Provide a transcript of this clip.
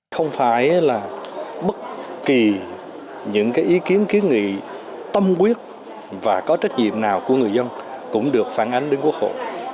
không phải là bất kỳ những ý kiến kiến nghị tâm quyết và có trách nhiệm nào của người dân cũng được phản ánh đến quốc hội